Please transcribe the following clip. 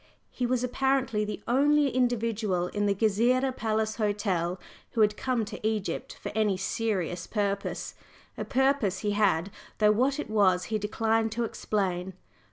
He was apparently the only individual in the Gezireh Palace Hotel who had come to Egypt for any serious purpose. A purpose he had, though what it was he declined to explain.